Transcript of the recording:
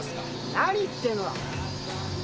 何言ってんの。